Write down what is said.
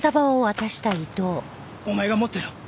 お前が持ってろ。